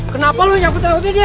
kenapa lo yang takut takutin dia